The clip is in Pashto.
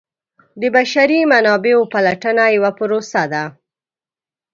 د بشري منابعو پلټنه یوه پروسه ده.